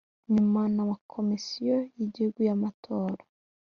nyuma na Komisiyo y Igihugu y Amatora